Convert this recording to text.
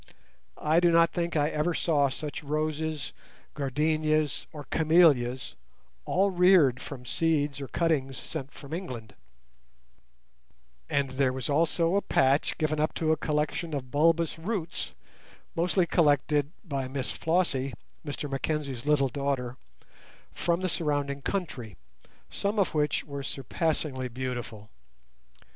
I do not think I ever saw such roses, gardenias, or camellias (all reared from seeds or cuttings sent from England); and there was also a patch given up to a collection of bulbous roots mostly collected by Miss Flossie, Mr Mackenzie's little daughter, from the surrounding country, some of which were surpassingly beautiful.